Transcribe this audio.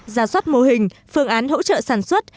ra soát mô hình phương án hỗ trợ sản xuất